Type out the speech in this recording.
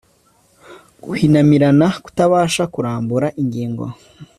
guhinamirana kutabasha kurambura ingingo